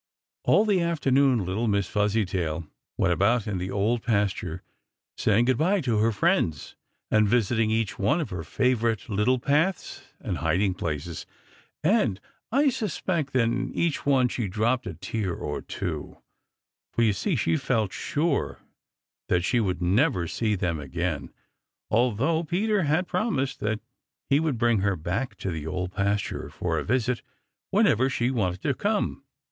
All the afternoon little Miss Fuzzytail went about in the Old Pasture saying good by to her friends and visiting each one of her favorite little paths and hiding places, and I suspect that in each one she dropped a tear or two, for you see she felt sure that she never would see them again, although Peter had promised that he would bring her back to the Old Pasture for a visit whenever she wanted to come.